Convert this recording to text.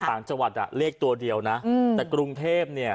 ต่างจังหวัดอ่ะเลขตัวเดียวนะอืมแต่กรุงเทพเนี่ย